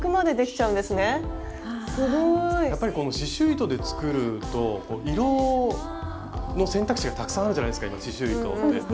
やっぱりこの刺しゅう糸で作ると色の選択肢がたくさんあるじゃないですか刺しゅう糸って。